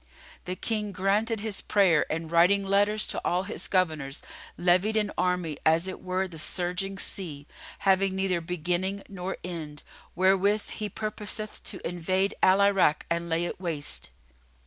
The King granted his prayer and writing letters to all his governors, levied an army as it were the surging sea, having neither beginning nor end, wherewith he purposeth to invade Al Irak and lay it waste."